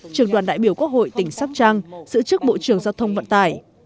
trường đoàn đại biểu quốc hội tỉnh sắc trăng sự chức bộ trường giao thông vận tải